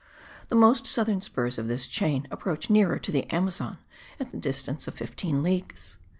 The most southern spurs of this chain approach nearer to the Amazon, at the distance of fifteen leagues.